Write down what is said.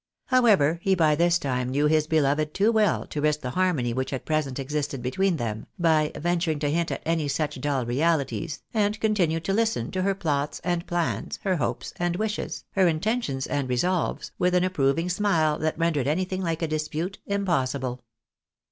How ever, he by this time knew his beloved too well to risk the harmony which at present existed between them, by venturing to hint at any such dull realities, and continued to listen to her plots and plans, her hopes and wishes, her intentions and resolves, with an approving smile that rendered anything like a dispute impossible.